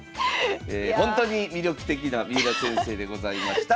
ほんとに魅力的な三浦先生でございました。